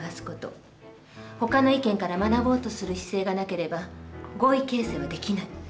ほかの意見から学ぼうとする姿勢がなければ合意形成はできない。